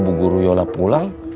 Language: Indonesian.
bu guru yola pulang